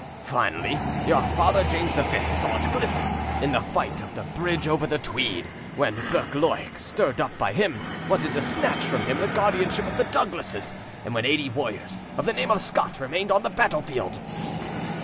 Finally, your father James V saw it glisten in the fight of the bridge over the Tweed, when Buccleuch, stirred up by him, wanted to snatch him from the guardianship of the Douglases, and when eighty warriors of the name of Scott remained on the battlefield."